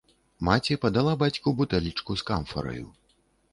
Маці падала бацьку бутэлечку з камфараю.